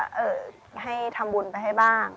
ชื่องนี้ชื่องนี้ชื่องนี้ชื่องนี้ชื่องนี้